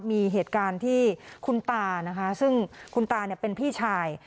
มีเหตุการณ์ที่คุณตานะคะซึ่งคุณตาเนี่ยเป็นพี่ชาย